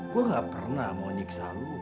gue gak pernah mau nyiksa lu